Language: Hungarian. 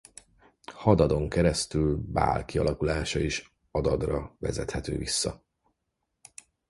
Hadadon keresztül Baál kialakulása is Adadra vezethető vissza.